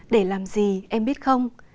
để làm gì em biết không